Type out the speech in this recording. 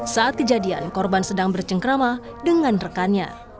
saat kejadian korban sedang bercengkrama dengan rekannya